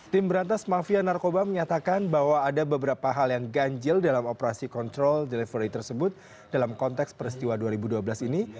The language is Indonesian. tim berantas mafia narkoba menyatakan bahwa ada beberapa hal yang ganjil dalam operasi kontrol delivery tersebut dalam konteks peristiwa dua ribu dua belas ini